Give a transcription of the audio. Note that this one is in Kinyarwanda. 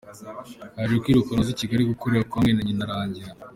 Yaje kwirukanwa aza I Kigali gukora kwa mwene nyina Rangira.